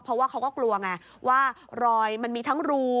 เพราะว่าเขาก็กลัวไงว่ารอยมันมีทั้งรู